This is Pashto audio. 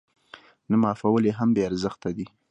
نه معافول يې هم بې ارزښته دي.